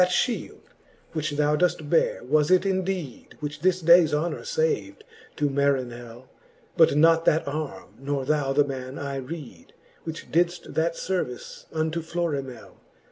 Thatflileld, which thou doeft beare, was it indeed, Which this dayes honour fav'd to Marinell ; But not that arme, nor thou the man, I reed, Which didft that fervice unto Florimell.